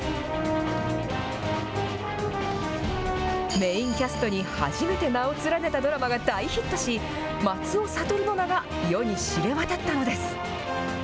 メインキャストに初めて名を連ねたドラマが大ヒットし、松尾諭の名が世に知れ渡ったのです。